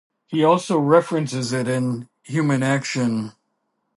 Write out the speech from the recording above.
He also references it in "Human Action".